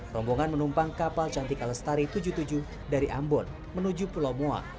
rombongan menumpang kapal cantik alestari tujuh puluh tujuh dari ambon menuju pulau moa